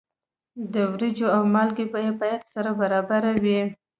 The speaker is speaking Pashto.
د وریجو او مالګې بیه باید سره برابره وي.